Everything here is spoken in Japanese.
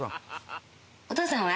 「お父さんは？」